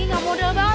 nggak modal banget